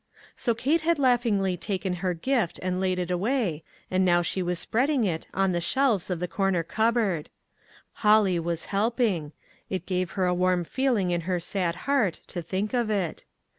So Kate had laughingly taken her gift and laid it away, and now she was spread ing it on the shelves of the corner cup board ! Holly was helping ; it gave her a warm feeling in her sad heart to think of it.